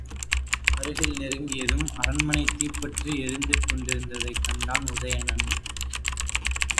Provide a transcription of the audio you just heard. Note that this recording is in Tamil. அருகில் நெருங்கியதும் அரண்மனை தீப்பற்றி எரிந்து கொண்டிருந்ததைக் கண்டான் உதயணன்.